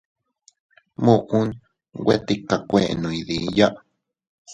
Muʼun nwe tika kuenno iydiya.